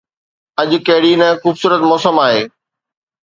اڄ ڪهڙي نه خوبصورت موسم آهي